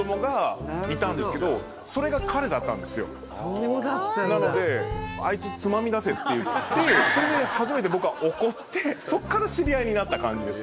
そうだったんだ！って言ってそれで初めて僕は怒ってそっから知り合いになった感じです。